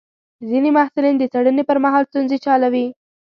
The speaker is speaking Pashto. ځینې محصلین د څېړنې پر مهال ستونزې حلوي.